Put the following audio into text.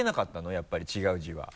やっぱり違う字は。